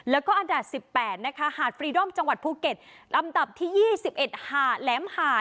อันดับ๑๘หาดฟรีดอมจังหวัดภูเกศลำดับที่๒๑หา๐๑๕